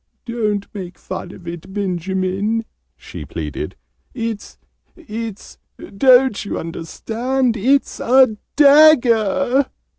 "Don't make fun of it, Benjamin!" she pleaded. "It's it's don't you understand? It's a DAGGER!"